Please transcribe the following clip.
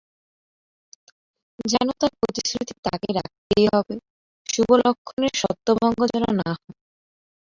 যেন তার প্রতিশ্রুতি তাকে রাখতেই হবে– শুভলক্ষণের সত্যভঙ্গ যেন না হয়।